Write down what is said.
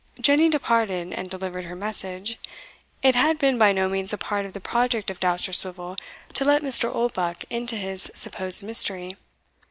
Jenny departed and delivered her message. It had been by no means a part of the project of Dousterswivel to let Mr. Oldbuck into his supposed mystery.